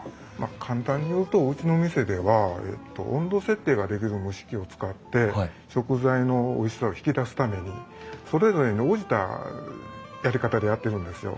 簡単に言うとうちの店では温度設定ができる蒸し器を使って食材のおいしさを引き出すためにそれぞれに応じたやり方でやってるんですよ。